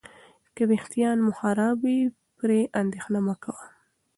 که ویښتان مو خراب وي، پرې اندېښنه مه کوه.